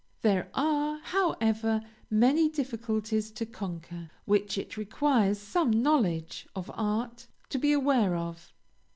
There are, however, many difficulties to conquer, which it requires some knowledge of art to be aware of.